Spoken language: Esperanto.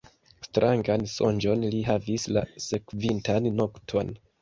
Strangan sonĝon li havis la sekvintan nokton.